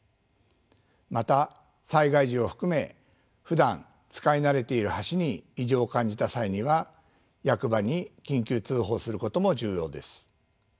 また災害時を含めふだん使い慣れている橋に異常を感じた際には役場に緊急通報することも重要です。